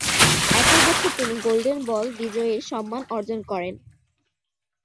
একই বছর তিনি গোল্ডেন বল বিজয়ীর সম্মান অর্জন করেন।